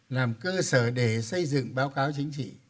làm cơ sở để xây dựng báo cáo chính trị